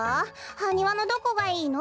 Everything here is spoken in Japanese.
ハニワのどこがいいの？